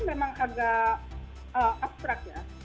memang agak abstrak ya